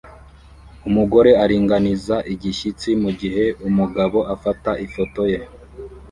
Umugore aringaniza igishyitsi mugihe umugabo afata ifoto ye